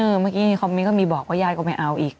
เออเมื่อกี้มีคอมเม้นท์ที่บอกว่ายาดก็ไม่เอาอีก